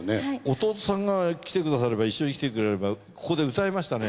弟さんが来てくだされば一緒に来てくれればここで歌えましたね。